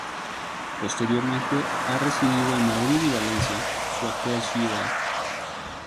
Posteriormente, ha residido en Madrid y Valencia, su actual ciudad.